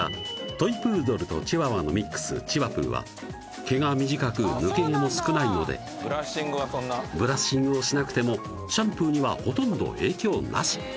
トイプードルとチワワのミックスチワプーは毛が短く抜け毛も少ないのでブラッシングをしなくてもシャンプーにはほとんど影響なし